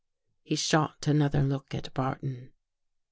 He shot another look at Barton.